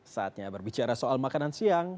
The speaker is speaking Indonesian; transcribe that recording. saatnya berbicara soal makanan siang